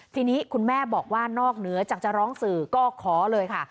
ทีนี้คุณแม่บอกว่านอกเหนือจากจะร้องสื่อก็ขอเลยค่ะ